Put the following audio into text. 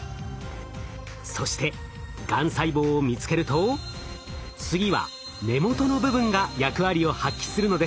そしてがん細胞を見つけると次は根元の部分が役割を発揮するのです。